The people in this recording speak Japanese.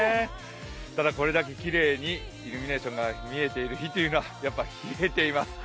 ただ、これだけきれいにイルミネーションが見えている日というのはやっぱり冷えています。